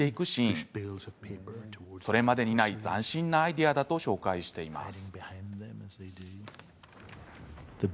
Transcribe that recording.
ンそれまでにない、斬新なアイデアだと紹介しています。